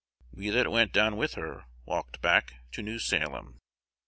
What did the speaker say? We that went down with her walked back to New Salem."